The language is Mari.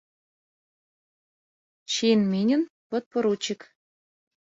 Чин миньын — подпоручик.